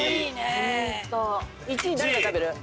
１位誰が食べる？